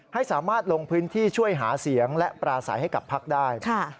ให้สามารถลงพื้นที่ช่วยหาเสียงและปราศัยให้กับพักได้